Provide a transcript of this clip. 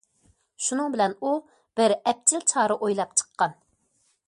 شۇنىڭ بىلەن ئۇ بىر ئەپچىل چارە ئويلاپ چىققان.